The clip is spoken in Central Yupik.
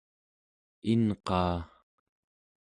inqaa